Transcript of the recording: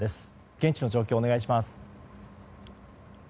現地の状況をお願いします。